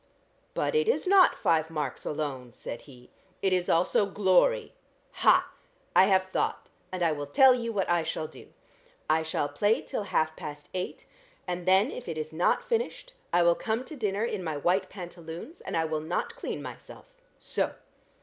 "But it is not five marks alone," said he. "It is also glory. Ha! I have thought, and I will tell you what I shall do. I shall play till half past eight and then if it is not finished, I will come to dinner in my white pantaloons, and I will not clean myself. So!"